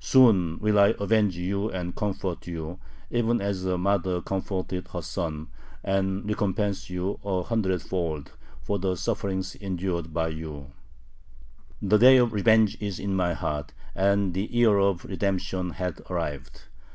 Soon will I avenge you and comfort you, even as a mother comforteth her son, and recompense you a hundredfold [for the sufferings endured by you]. The day of revenge is in my heart, and the year of redemption hath arrived.